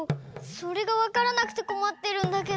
それがわからなくてこまってるんだけど。